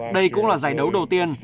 đây cũng là giải đấu đầu tiên